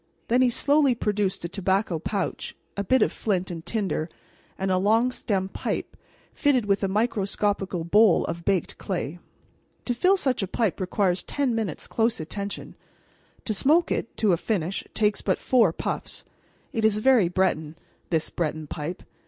Then he slowly produced a tobacco pouch, a bit of flint and tinder, and a long stemmed pipe fitted with a microscopical bowl of baked clay. To fill such a pipe requires ten minutes' close attention. To smoke it to a finish takes but four puffs. It is very Breton, this Breton pipe.